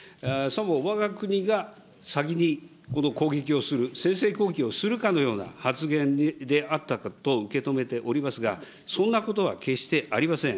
わが国が先に攻撃をする、先制攻撃をするかのような発言であったかと受け止めておりますが、そんなことは決してありません。